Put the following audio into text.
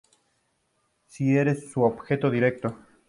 Si eres su objetivo directo